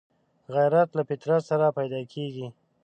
غیرت له فطرت سره پیدا کېږي